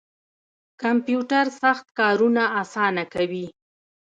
کمپیوټر سخت کارونه اسانه کوي